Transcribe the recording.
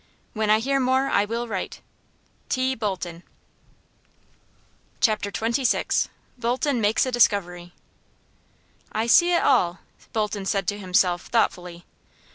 Wen I hear more I will right. "T. Bolton." Chapter XXVI. Bolton Makes A Discovery. "I see it all," Bolton said to himself, thoughtfully.